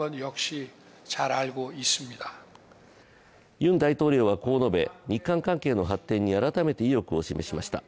ユン大統領は、こう述べ、日韓関係の発展に改めて意欲を示しました。